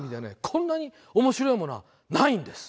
こんなに面白いものはないんです！